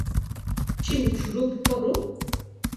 Chimi chulúpi koru?